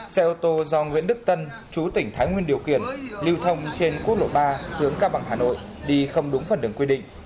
xe ô tô do nguyễn đức tân chú tỉnh thái nguyên điều khiển lưu thông trên quốc lộ ba hướng cao bằng hà nội đi không đúng phần đường quy định